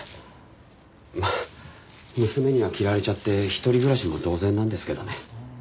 まあ娘には嫌われちゃって一人暮らしも同然なんですけどね。